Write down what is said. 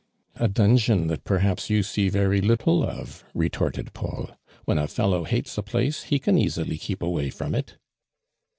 "A dungeon that perhaps you see very little of !" retorted Paul. " When a fellow hates a place he can easily keep away i'ron:^ it."